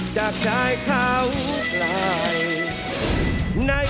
จากใจเพราะราย